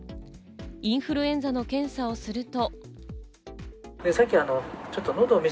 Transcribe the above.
インフルエンザの検査をすると。